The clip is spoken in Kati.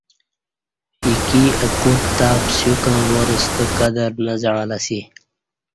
ایکی ا کوٹ تہ پسیوکں وار ستہ قدر نہ زعں لہ اسی